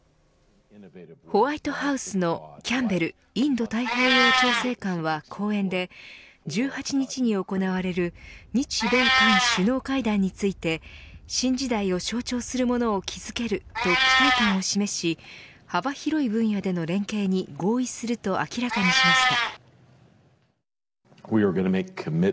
ホワイトハウスのキャンベル・インド太平洋調整官は講演で１８日に行われる日米韓首脳会談について新時代を象徴するものを築けると期待感を示し幅広い分野での連携に合意すると明らかにしました。